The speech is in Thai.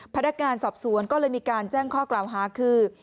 พนักงานสอบสวนก็เลยมีการแจ้งข้อกล่าวหาคือ